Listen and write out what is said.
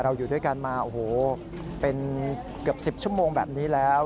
อยู่ด้วยกันมาโอ้โหเป็นเกือบ๑๐ชั่วโมงแบบนี้แล้ว